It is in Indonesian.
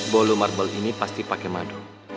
bolu marble ini pasti pakai madu